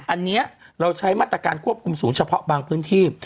อันนี้เราใช้มาตรการควบคุมสูงเฉพาะบางพื้นที่